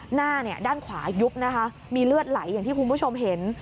หน้าด้านขวายุบนะคะมีเลือดไหลอย่างที่คุณผู้ชมเห็น